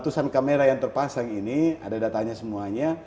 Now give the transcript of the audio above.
nah untuk kamera yang terpasang ini ada datanya semuanya